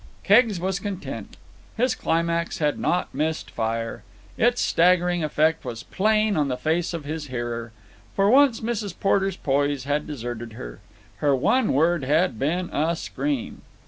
Keggs was content. His climax had not missed fire. Its staggering effect was plain on the face of his hearer. For once Mrs. Porter's poise had deserted her. Her one word had been a scream.